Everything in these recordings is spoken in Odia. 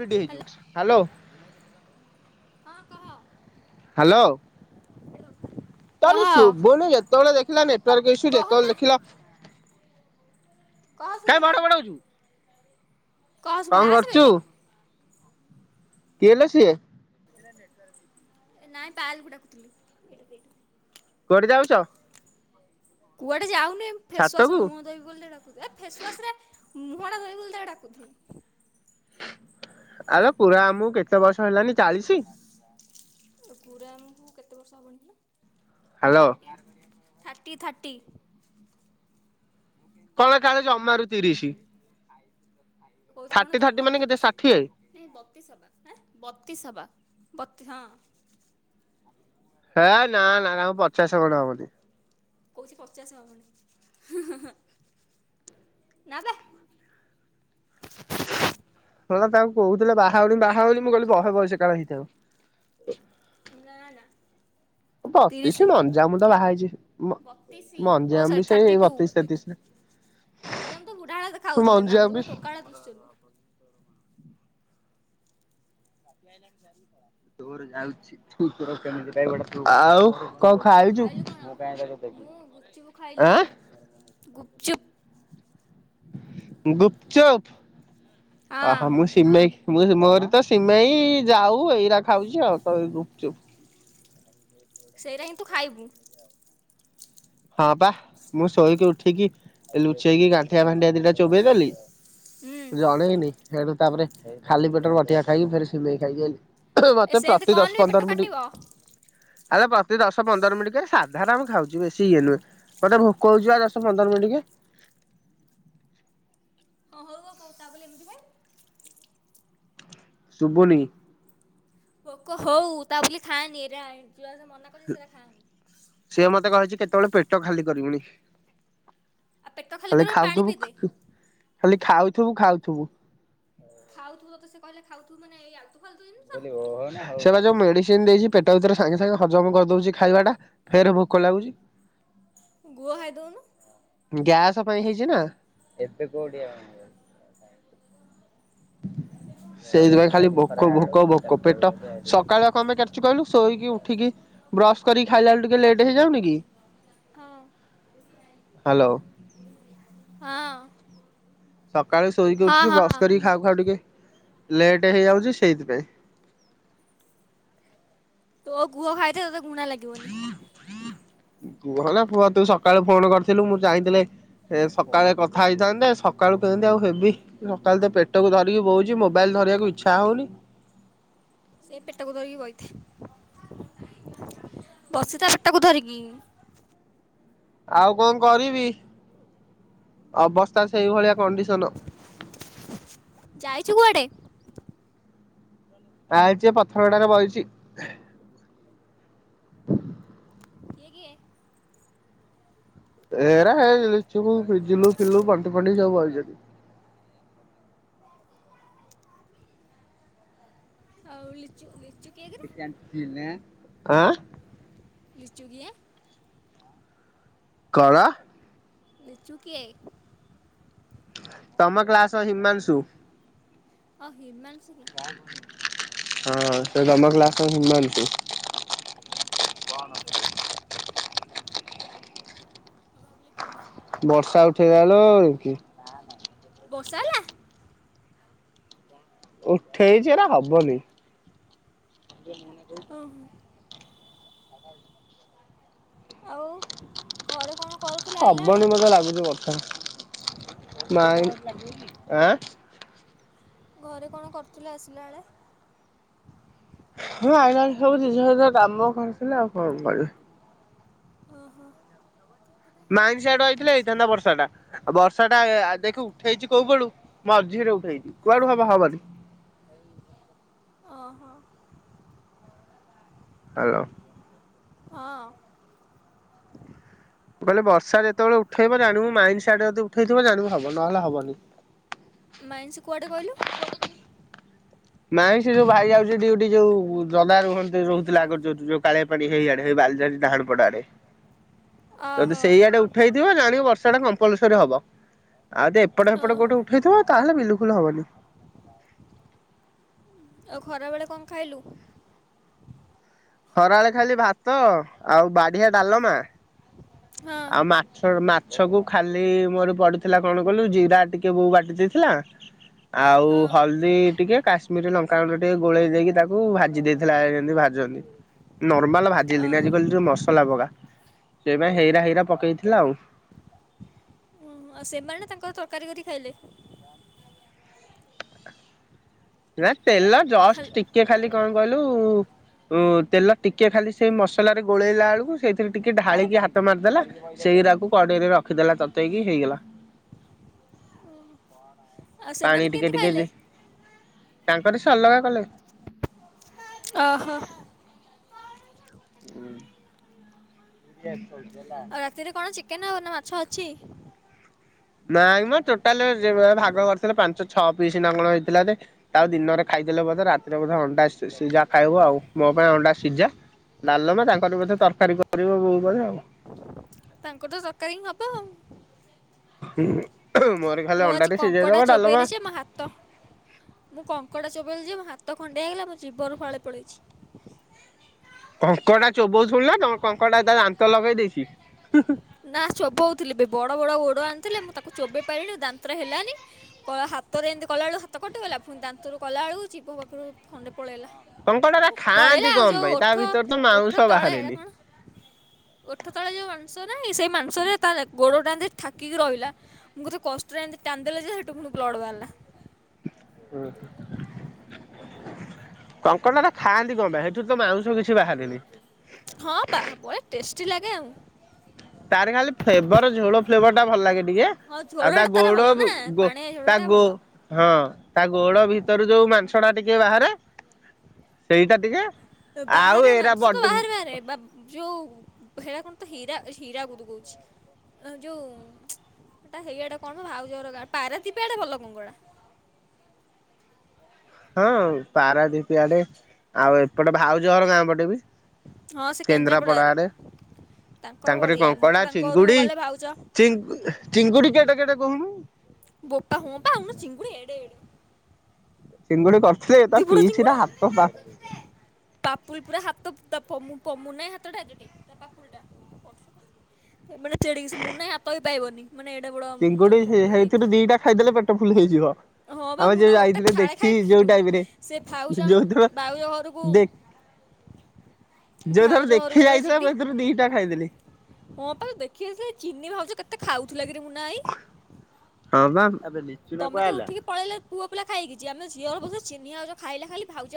ରେଡି ହେଇଯାଇଚି ହ୍ୟାଲୋ। ହଁ କହ। ହ୍ୟାଲୋ। କହ ତର ଶୁଭୁନି ଯେତେବେଳେ ଦେଖିଲା ନେଟୱାର୍କ ଇସୁ କହ ଯେତେବେଳେ ମା ଦେଖିଲା କହ କାଇଁ ଭଡ ଭଡ ହୋଉଚୁ। କଣ ସୁବିଲା ଆସେଵେ କରୁଛୁ ଏକ କିଏ ଲୋ ସିଏ? ଏ ନାଇଁ ପାୟଲ କୁ ଡାକୁଥିଲି। କୁଆଡେ ଯାଉଛ? କୁଆଡେ ଯାଉନୁ ଏ ଫେସୱାସ ଛାତକୁ ମୁହଁଧୋଇବ ବୋଲି ଡାକୁଚି ଏ ଫେସୱାସ ରେ ମୁହଁ ଟା ଧୋଇବୁ ବୋଲି ତାକୁ ଡାକୁଥିଲି। ଆଲୋ କୁରା ମାମୁଁ ଙ୍କୁ କେତେ ବର୍ଷ ହେଲାନି ଚାଳିଶୀ? କୁରା ମାମୁଁକୁ କେତେ ବର୍ଷ ହେବଣି କିଲୋ ହ୍ୟାଲୋ ଥର୍ଟି ଥାର୍ଟି ଥାର୍ଟି କଣ କାଳେ ଜମାରୁ ତିରିଶି। ଥାର୍ଟି ଥାର୍ଟି ମାନେ କେତେ ଷାଠିଏ? ଏ ବତିଶ ହବା ହଁ ବତି ହବା ବତି ହଁ। ହେ ନା ନା ନାମ ପଚାଶ ଖଣ୍ଡେ ହବଣି। କହୁଛି ପଚାଶ ହବ ନା ବେ ମଲା ତାଙ୍କୁ କହୁଥିଲେ ବାହା ହଉନି ବାହା ହଉନି ମୁଁ କହିଲି ବହେ ବୟସ କାଳେ ହେଇଥିବ ବୋଲି। ନା ନା। ବତିଶି ତିରିଶି ମଞ୍ଜାମୁ ତ ବାହା ହେଇଛି ବତିଶି ଓ ମଞ୍ଜାମୁ ବି ସରି ସେଇ ଥାର୍ଟି ଟୁ। ବତିଶ ତେତିଶରେ ମଝିଆ ମାମୁଁ ତ ବୁଢ଼ା ଭାଲିଆ ଦେଖା ଯାଉଥିଲେ ମଞ୍ଜାମୁ ମାମୁଁ ତ ବି ପୁରା ଟୋକା ଭଳିଆ ଦୁସୁଛନ୍ତି। [unintelligible] ଆଉ କଣ ଖାଇଚୁ ଖାଇଲୁ କଣ? ମୁଁ ଗୁପଚୁପ୍ ଖାଇଲି ଆଁ? ଗୁପଚୁପ୍। ଗୁପଚପ ହଁ ଅହ ମୁଁ ସିମେଇ ମୁଁ ମୋରି ତ ସିମେଇ ଯାଉ ଏଇରା ଖାଉଚି ଆଉ ତ ଗୁପଚୁପ୍ ସେଇରା ହିଁ ତୁ ଖାଇବୁ ହଁ ପା ମୁଁ ଶୋଇକି ଉଠିକି ଲୁଚେଇକି ଗାଣ୍ଠିଆ ଫାଣ୍ଠିଆ ଦିଟା ଚୋବେଇଦଲି ହୁଁ ଜଣେଇନି ସେଠୁ ତାପରେ ଖାଲି ପେଟରେ ବଟୀକା ଖାଇକି ଫେରେ ସିମେଇ ଖାଇକି ଆଇଲି। ଏ ମତେ ସେମିତି ପ୍ରତି ଦଶ କହନି ପେଟ ପନ୍ଦର ମିନିଟ କାଟିବ। ହଁ ଆ ପ୍ରତି ଦଶ ପନ୍ଦର ମିନିଟ୍ ସାଧା ଟା ମୁଁ ଖାଉଚି ବେଶୀ ସିଇଏ ନୁହେଁ ମତେ ଭୋକ କହୁଚି ଦଶ ପନ୍ଦର ମିନିଟ୍ କେ। ହଁ ହଉ ଭୋକ ତା ବଲି ଏମିତି ଖାଇବୁ ଶୁଭୁନି। ପୋକ ହଉ ତା ବୋଲି ଖାଆନି ଏରା ଯଆରା ମନା କରୁଛି ସେଇରା ଖାଆନି। ସିଏ ମତେ କହିଛି କେତେବେଳେ ପେଟ ଖାଲି କରିବୁନି। ଆଉ ପେଟ ଖାଲି କରିବୁ ପାଣି ଖାଉଥିବୁ ପିଇଦେ ଖାଲି ଖାଉଥିବୁ ଖାଉଥିବୁ। ଖାଉଥୁ ବତ ସେକହିଲେ ଖାଉଥୁ ମାନେଇ ଆଲୁ ଫାଲୁ ସେ ବା ଯୋଉ ମେଡିସିନ୍ ଦେଇଛି ପେଟ ଭିତରେ ସାଙ୍ଗେ ସାଙ୍ଗେ ହଜମ କରିଦଉଛି ଖାଇବା ଟା। ଫେରେ ଭୋକ ଲାଗୁଛି। ଗୁଆହାାଇ ଦଉନୁ? ଗ୍ୟାସ ପାଇଁ ହେଇଛି ନା ଏବେକୋଉଠି ଆଉ ହେବ। [inaudible] ସେଇଥିପାଇଁ ଖାଲି ଭୋକ ଭୋକ ଭୋକ ପେଟ ସକାଳୁଆ କଣ ପାଇଁ କାଟୁଛି କହିଲୁ ଶୋଇକି ଉଠିକି ବ୍ରସ୍ କରି ଖାଇଲା ବେଲକୁ ଟିକେ ଲେଟେ ହେଇଯାଉନି କି? ହଁ ହୁଁ। ହାଲୋ। ହଁ। ସକାଳେ ଶୋଇକି ହଁ ଉଠିକି ବ୍ରସ୍ ହଁ। କରିକି ଖାଉ ଖାଉ ଟିକେ ଲେଟ୍ ହେଇଯାଉଛି ସେଇଥିପାଇଁ। ତୋ ଗୁହ ଖାଇଦେ ତତେ ଗୁଣା ଲାଗିବନି। ଗୁହ ନା ପୁହ ତୁ ସକାଳୁ ଫୋନ କରିଥିଲୁ ମୁଁ ଚାହିଁଥିଲେ ଏ ସକାଳେ କଥା ହେଇଥାନ୍ତେ ସକାଳୁ କେମିତି ଆଉ ହେବି। ସକାଳ ତ ପେଟକୁ ଧରିକି ବହୁଉଛି ମୋବାଇଲ ଧରିବାକୁ ଇଚ୍ଛା ହଉନି। ସେଇ ପେଟକୁ ଧରିକି ବହିଥା ବସିଥା ପେଟକୁ ଧରିକି? ଆଉ କଣ କରିବି ଅବସ୍ଥା ସେଇଭଳିଆ କଣ୍ଡିସନ। ଯାଇଛୁ କୁଆଡେ? ତା ହେଇଛି ପଥର ଗଡାରେ ବହିଚି। କିଏ କିଏ? ଏରା ହେୁ ଫିଜିଲୁ ଫିଲୁ ବଣ୍ଟି ଫଣ୍ଟି ସବୁ ବଇଚନ୍ତି। ଆଉ ଲିଚୁ ଲି କ୍ୟଟିନିରେ ଆଁ ଆଁ। ଲିଚୁ କିଏ? କଣ? ଲିଚୁ କିଏ? ତମ କ୍ଲାସ ହିମାଂଶୁ। ଅ ହିମାଂଶୁ କି। ହଁ ସେ ତମ କ୍ଲାସ ହିମାଂଶୁ। ବର୍ଷା ଉଠେଇଲା ଲୋ ବର୍ଷା ହେଲା? ଉଠେଇଛି ଏରା ହବନି। ଓ ହୋ। ଆଉ। ଘରେ କଣ କରୁଥିଲ ଆଇଲା ବେଳେ? ହବନି ମତେ ଲାଗୁଛି ବଷା ଟା ଆଁ। ଘରେ କଣ କରୁଥିଲେ ଆସିଲା ବେଳେ? ମୁଁ ଆଇଲା ସବୁ ଦିନିସ ପତ୍ରର କାମ କରୁଥିଲେ ଆଉ କଣ କରିବେ। ଓହୋ। ମାଇନ୍ସ ଆଡୁ ଆଇଥିଲେ ହେଇଥାନ୍ତା ବର୍ଷା ଟା। ଆଉ ବର୍ଷା ଟା ଦେଖେ ଉଠେଇଛି କୋଉପଟୁ ମୋ ମଝିରେ ଉଠେଇଛି କୁଆଡୁ ହବ ହବନି। ଓ ହୋ। ହାଲୋ। ହଁ‌। କହିଲେ ବର୍ଷା ଯେତେବେଳେ ଉଠେଇବ ଜାଣିବୁ ମାଇନ୍ସ ଆଡୁ ଯଦି ଉଠେଇଥିବ ଜାଣିବୁ ହବ। ନହେଲେ ହବନି। ମାଇନ୍ସ କୁଆଡ଼େ କହିଲୁ। ମାଇନ୍ସି ସେ ଯୋଉ ଭାଇ ଯାଉଛି ଡ୍ୟୁଟି ଯୋଉ ଦଦା ରୁହନ୍ତି କାଲି ରହୁଥିଲା ଆଗୁରୁ ଛାଡ଼ିଯିବ। ଯୋଉଠି ଯୋଉ କାଳିଆ ପାଡି ହେଇଆଡେ ହେଇ ବାଲଝାଟି ଡାହାଣ ପଟ ଆଡେ ଯଦି ଓହୋ ସେଇଆଡୁ ଉଠେଇଥିବ ଜାଣିକି ବର୍ଷା ଟା କମ୍ପଲସରି ହବ। ଆଉ ଯଦି ଏପଟ ହେପଟ ଓହୋ କୋଉଠୁ ଉଠେଇଥିବ ତାହାଲେ ବିଲକୁଲ ହବନି। ଆଉ ଖରା ବେଳେ କଁ ଖାଇଲୁ? ଖରାବେଳେ ଖାଇଲି ଭାତ ଆଉ ବାଢିଆ ଡାଲମା। ହଁ ଆଉ ମା ଛ ମାଛକୁ ଖାଲି ମୋର ପଡିଥିଲା କଣ କହିଲୁ ଜିରା ଟିକେ ବୋଉ ବାଟି ଦେଇଥିଲା। ଆଉ ହଁ ହଳଦୀ ଟିକେ କାଶ୍ମୀର ଲଙ୍କା ଗୁଣ୍ଡ ଟିକେ ଗୋଳେଇ ଦେଇକି ତାକୁ ଭାଜି ଦେଇଥେଲା ଯେନ୍ତୀ ଭା ଜନ୍ତି ନର୍ମାଲ ଭାଜିଲିନି ଓହୋ। ଆଜି କହିଲି ଯୋଉ ମସଲା ପକା ସେଇ ପାଇଁ ହେଇରା ହେଇ ରା ପକେଇଥିଲା ଆଉ। ଉଁ, ଆଉ ସେମାନେ ତାଙ୍କର ତରକାରୀ କରିକି ଖାଇଲେ? ନାଇଁ ତେଲ ଜଷ୍ଟ ହାଲ୍- ଟିକେ ଖାଲି କଣ କହିଲୁ ଉଁ ତେଲ ଟିକେ ଖାଲି ସେଇ ମସଲାରେ ଗୋଳେଇଲା ଆଳୁକୁ ସେଇଥିରେ ଟିକେ ଢାଳିକି ହାତ ମାରିଦେଲା। ସେଇରାକୁ କଡେଇରେ ରଖିଦେଲା ତତେଇକି ହେଇଗଲା। ଆଉ ସେମାନେ ପାଣି ଟିକେ କେମିତି ଟିକେ ଖାଇଲେ ଦେ ତାଙ୍କରି ସେ ଅଲଗା କଲେ। ଅହଁ। [unintelligible] ହେଲା। ତିରେ କଣ ଚିକେନ ଆଉ ନା ମାଛ ଅଛି? ନାଇଁ ମ ଟୋଟାଲେ ଯେ ମା ଭାଗ କରିଥିଲେ ପାଞ୍ଚ ଛଅ ପିସ୍ ନା କଣ ହେଇଥିଲା ଯେ ତାକୁ ଦିନରେ ଖାଇଦେଲେ ବୋଧେ ରାତିରେ ବୋଧେ ଅଣ୍ଡା ସି ସିଝା ଖାଇବୁ ଆଉ ମୋ ପାଇଁ ଅଣ୍ଡା ସିଜା। ଡାଲମା ତାଙ୍କର ବୋଧେ ତରକାରୀ କରିବ ବୋଉ ବୋଧେ ଆଉ। ତାଙ୍କର ତ ତରକାରୀ ହିଁ ହବ ଆଉ। ହୁଁ [unintelligible] ମୁଁ ଆଜି କଙ୍କଡା ଚୋବେଇଲି ଯେ ମା ହାତ ମୁଁ କଙ୍କଡ଼ା ଚୋବେଇଲି ଯେ ମୋ ହାତ ଖଣ୍ଡିଆ ହେଇଗଲା ମୋ ଜିଭରୁ ଫାଳେ ପଳେଇଛି। କଙ୍କଡ଼ା ଚୋବୋଉ ଥୁଲୁ ନା ତମ କଙ୍କଡ଼ା ତା ଦାନ୍ତ ଲଗେଇ ଦେଇଛି। ନା ଚୋବୋଉଥିଲି ବି ବଡ ବଡ ଗୋଡୋ ଆଣିଥିଲେ ମୁଁ ତାକୁ ଚୋବେଇ ପାଇଲିଣୀ ଦାନ୍ତ୍ରରେ ହେଲାନି ପଳା ହାତରେ ଏମିତି କଲା ବେଳୁ ହାତ କଟିଗଲା ଫୁଣି ଦାନ୍ତରୁ କଲା ଆଳୁକୁ ଜିଭ ପାଖୁରୁ ଖଣ୍ଡେ ପଳେଇଲା। କଙ୍କଡା ଟା ଖାଆନ୍ତି ପଳେଇଲା ଆଉ କଣ ଯୋଉ ପାଇଁ ତା ଓଠୋ ଭିତରେ ତ ମାଉଁସ ଓଠୋ ତଳେ ଏରା ବାହାରେନି। କଣ। ଓଠୋ ତଳେ ଯୋଉ ମାଂସ ନାହିଁ ସେଇ ମାଂସରେ ତା ଗୋଡୋଟା ଏନ୍ତି ଠାକିକି ରହିଲା। ମୁଁ କେତେ କଷ୍ଟରେ ଏନ୍ତି ଟାନ୍ ଦେଲା ଯେ ହେଟୁ ଫୁଣି ବ୍ଲଡ ବାହାରିଲା। ହୁଁ। କଙ୍କଡ଼ା ଟା ଖାଆନ୍ତି କଁ ପାଇଁ ହେଠୁ ତ ମାଉଁସ କିଛି ବାହାରେନି। ହଁ ପା ବଢ଼ିଆ ଟେଷ୍ଟି ଲାଗେ ଆଉ। ତାରି ଖାଲି ଫ୍ଲେବର ଝୋଳ ଫ୍ଲେବର ଟା ଭଲ ଲାଗେ ଟିକେ। ହଁ ଆଉ ତା ଝୋଳଟା ତାର ଗୋଡୋ ଭଲ ନା ଗୋ ପାଣିଆ ତା ଝୋଳଟା ଗୋ ଭଲ ହଁ ତା ଗୋଡ ଭିତରୁ ଯୋଉ ମାଂସ ଟା ଟିକେ ବାହାରେ ସେଇଟା ଟିକେ ଆଉ ବାହାରେ ଏରା ମଂଷ ତ ବଡି ବାହାରେ ବାହାରେ ବା ଯୋଉ ହେରା କଣ ତ ହୀରା ହୀରାକୁଦୁ କୋହୁଛି। ଅଁ ଯୋଉ ହେଟା ହେଇଆଡେ କଣ ମ ମୋ ଭାଉଜ ଘର ଗାଁ ପାରାଦୀପ ଆଡ଼େ ଭଲ କଙ୍କଡ଼ା। ହଁ ପାରାଦୀପି ଆଡେ ଆଉ ଏପଟେ ଭାଉଜ ଘର ଗାଁ ପଟେ ବି। ହଁ ସେ କେନ୍ଦ୍ରାପଡା କେନ୍ଦ୍ରାପଡ଼ାରେ ଆଡେ ତାଙ୍କର ତାଙ୍କରି ବଢ଼ିଆ ମୁଁ ତ କଙ୍କଡା ତାଙ୍କ ଘରକୁ ଚିଙ୍ଗୁଡି ଗଲେ ଭାଉଜ ଚିଙ୍ଗି ଚିଙ୍ଗୁଡ଼ି କେଡେ କେଡେ କୋହୁନୁ। ବୋପା ହଁ ପା ଅନା ଚିଙ୍ଗୁଡ଼ି ଏଡେ ଏଡେ। ଚିଙ୍ଗୁଡ଼ି କରିଥଲେ ତାଙ୍କ ବଡ଼ ପିଛିର ଚିଙ୍ଗୁଡ଼ି ହାତ ପା ପାପୁଲି ପୁରା ହାତ [unintelligible] ମୁନା ଭାଇ ହାତଟା ଆଡେଟେ ତା ପାପୁଲି ଟା ହେ ମାନେ ଚେଡ଼ିକି ସେ ମୁନା ଭାଇ ହାତ ବି ପାଇବନି। ମାନେ ଏଡ଼େ ବଡ଼ ଚିଙ୍ଗୁଡି ହେ ହେଇଥିରୁ ଦିଟା ଖାଇଦେଲେ ପେଟ ଫୁଲ ହେଇଯିବ। ହଁ ବା ଆମେ ମୁଁ ତ ଯୋଉ ଗୋଟେ ଯାଇଥିଲେ ଫାଳେ ଦେଖି ଯୋଉ ଖାଇପାରିବିନି ଟାଇପରେ ସେ ଭାଉଜ ଯୋଉ ତ ଭାଉଜ ଘରକୁ ଦେଖ ଯୋଉଥର ଭାଉଜ ଘରକୁ ଦେଖି ଯେତେବେଳେ ଯାଇଥିଲେ ମୁଁ ଯିବି ହେଥିରୁ ଦିଟା ଖାଇଦେଲି। ହଁ ପା ଦେଖି ଆସିଲେ ଚିନି ଭାଉଜ କେତେ ଖାଉଥିଲା କିରେ ମୁନା ଭାଇ। ହଁ ବା। ତମେ ତ ଉଠିକି ପଳେଇଲ ପୁଅ ପିଲା ଖାଇକିଛି ଆମେ ଝିଅ‌ ଅବଶ୍ୟ ଚିନି ଭାଉଜ ଖାଇଲା ଖାଲି ଭାଉଜ।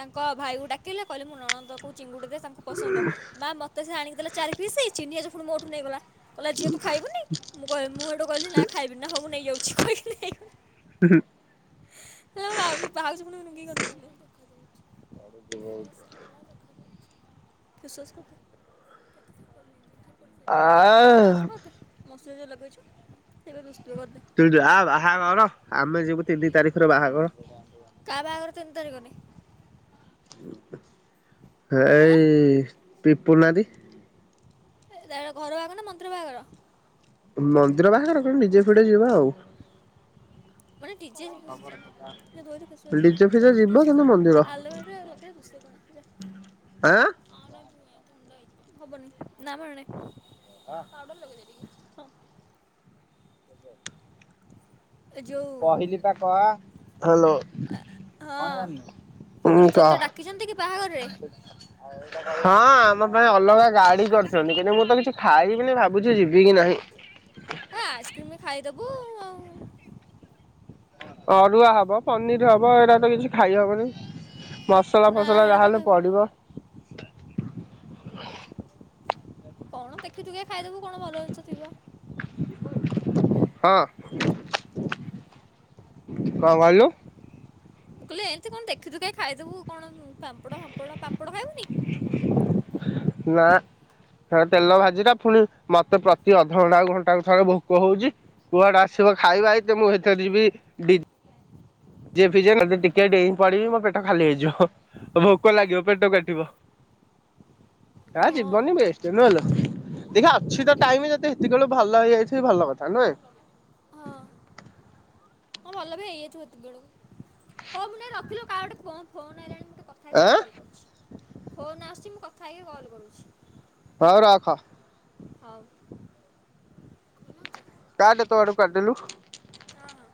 ତାଙ୍କ ଭାଇକୁ ଡାକିଲେ କହିଲେ ମୁଁ ନଣନ୍ଦ କୁ ଚିଙ୍ଗୁଡି ଦେ ତାଙ୍କ ଙ୍କୁ ପସନ୍ଦ ମା ମୋତେ ସେ ଆଣିକି ଦେଲେ ଚାରି ପିସ୍ ଚିନି ଭାଉଜ ପୁଣି ମୋଠୁ ନେଇଗଲା କହିଲା ଝିଅ ତୁ ଖାଇ ବୁନି। ମୁଁ କହିଲି ମୁଁ ହେଠୁ କହିଲି ନା ଖାଇବିନି ନା ହଉ ନେଇ ଯାଉଛି କହିକି ନେଇ ଗଲା। ହୁଁ ହୁଁ। ହେଲା ଭାଉଜ ଭାଉଜ ପୁଣି ଡୁଙ୍ଗିକି ଅନଉ ଥିଲେ। ତାପରେ [unintelligible] ଆ [unintelligible] ତୁ ଜା ବାହାଘର ଆମେ ଯିବୁ ତିନି ତାରିଖ ରେ ବାହାଘର। ତୁ ଯା ପଳା। କା ବାହାଘର ତିନି ତାରିଖ ନେ। ଆଁ ଏଇ ପିପୁନା ଦୀ। ତାର ଘର ବାହାଘର ନା ମନ୍ଦିର ବାହାଘର। ମନ୍ଦିର ବାହାଘର କିନ୍ତୁ ଡିଜେ ଫିଯେ ଯିବା ଆଉ। ମାନେ ଡିଜେ ଯୋଉ ଦୋଇରେ ଫେସୱାସ୍ ରେ ଡୀଜେ ଫିଜେ ଯିବ କିନ୍ତୁ ମନ୍ଦିର। ଆଲୋଭେରା ଲଗେଇଲେ ଦୁଷେ କଣ ଯା ଆଁ। [unintelligible] ଓ [unintelligible] ଏ ଯୋଉ ହା ଲୋ। ହଁ। ମୁଁ ହୁଁ କହିଲି କ। ତୋତେ ଡାକିଛନ୍ତି କି ବାହାଘରରେ ହଁ ଆମ ପାଇଁ ଅଲଗା ଗାଡି କରିଛନ୍ତି କିନ୍ତୁ ମୁଁ ତ କିଛି ଖାଇବିନି ଭାବୁଛି ଯିବି କି ନାହିଁ। ହେ ଆଇସ୍କ୍ରିମି ବ ଖାଇଦବୁ ଆଉ। ଅରୁଆ ହବ ପନିର ହବ ଏରା ତ କିଛି ଖାଇ ହବନି। ମସଲା ନା ଫସଲା ହେରା ଯାହା ତ ହେଲେ ଖାଇବୁ ପଡିବ। କଣ ଦେଖି ଟିକେ ଖାଇଦବୁ କଣ ଭଲ ଜିନିଷ ଥିବ ‌। ହଁ କଣ କହିଲୁ। ମୁଁ କହିଲି ଏମିତି କଣ ଦେଖି ଦୁଖା କି ଖାଇଦବୁ କଣ ପାମ୍ପଡ ଫାମ୍ପଡ ପାମ୍ପଡ ଖାଇବୁନି। ନା। ସେରା ତେଲ ଭାଜିରା ପୁଣି ମତେ ପ୍ରତି ଅଧଘଣ୍ଟା ଘଣ୍ଟାକୁ ଥରେ ଭୋକ ହଉଛି ‌। କୁଆଡୁ ଆସିବ ଖାଇବା ଏତେ ମୁଁ ହେଥେରେ ଯିବି। ଯିବି ଯେ ଯଦି ଟିକେ ଡେଇଁ ପଡିବି ମୋ ପେଟ ଖାଲି ହେଇଯିବ ଭୋକ ଲାଗିବ। ପେଟ କାଟିବ ଆ ହଁ। ଯିବନି ବେଷ୍ଟ ନୁଏଲୋ। ଦେଖିବା ଅଛି ତ ଟାଇମ ଯେଦି ହେତିକି ବେଳୁକୁ ଭଲ ହେଇ ଯାଇଥିବି ଭଲ କଥା ନୁହେଁ। ହଁ ହଁ ଭଲ ବି ହେଇଯାଇ ଥିବୁ ସେତିକି ବେଳକୁ ହଉ ମୁଁ ଟିକେ ରଖିଲୁ କାହା ଗୋଟେ ଫୋନ ଫୋନ‌ ଆଇଲାଣି ମୁଁ ଟିକେ କ କଥା ହେଇକି ତତେ ଆଁ କଲ୍ କରୁଛି ଫୋନ୍ ଆସୁଛି ମୁଁ କଥା ହେଇକି କଲ୍ କରୁଛି। ତ ଉ ରଖ। ହଉ। କାଟେ ତୋ ଆଡୁ କାଟିଲୁ। ହଁ ହଁ।